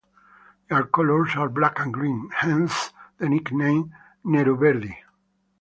Their colours are black and green, hence the nickname "neroverdi".